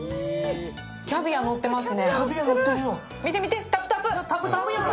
キャビアのってますね。